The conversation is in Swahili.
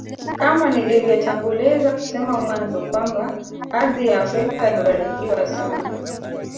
Kama nilivyotanguliza kusema mwanzo Kwamba ardhi ya Afrika imebarikiwa sana